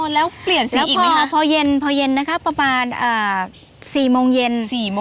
แล้วเปลี่ยนเสียงอีกไหมคะพอเย็นพอเย็นนะคะประมาณ๔โมงเย็น